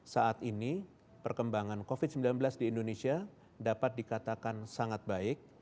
saat ini perkembangan covid sembilan belas di indonesia dapat dikatakan sangat baik